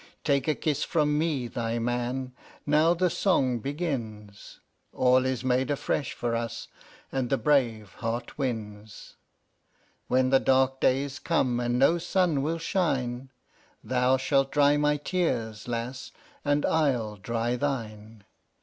Take a kiss from me thy man; now the song begins: "All is made afresh for us, and the brave heart wins." IV. When the darker days come, and no sun will shine, Thou shalt dry my tears, lass, and I'll dry thine.